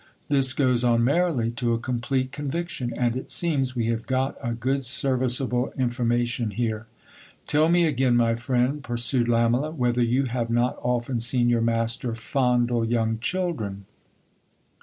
This goes on merrily to a complete conviction ; and it seems, we have got a good service able information here. Tell me again, my friend, pursued Lamela, whether you have not often seen your master fondle young children.